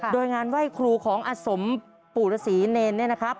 โดยงานไหว้ครูของอสมปู่ฤษีเนรเนี่ยนะครับ